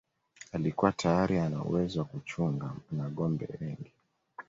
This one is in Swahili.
Alikuwa tayari ana uwezo wa kuchunga nâgombe wengi